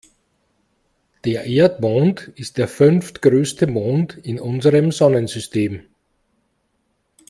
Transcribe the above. Der Erdmond ist der fünftgrößte Mond in unserem Sonnensystem.